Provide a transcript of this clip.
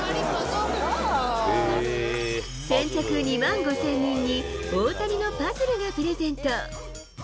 先着２万５０００人に、大谷のパズルがプレゼント。